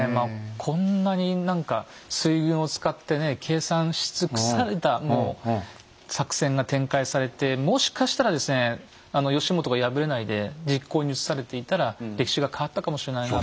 こんなに何か水軍を使ってね計算し尽くされたもう作戦が展開されてもしかしたらですね義元が敗れないで実行に移されていたら歴史が変わったかもしれないなあと。